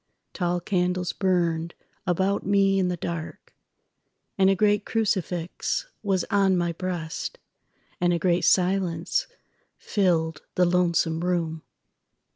Tall candles burned about me in the dark, And a great crucifix was on my breast, And a great silence filled the lonesome room.